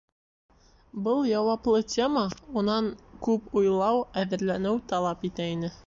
Был яуаплы тема унан күп уйлау, әҙерләнеү талап итә ине.